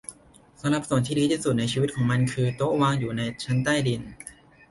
สำหรับส่วนที่ดีที่สุดในชีวิตของมันคือ โต๊ะวางอยู่ในชั้นใต้ดิน